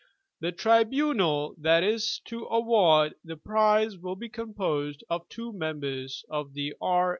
The tribunal that is to award the prize will be composed of two members of the R.